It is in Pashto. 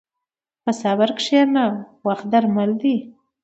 په صبر کښېنه، وخت درمل دی.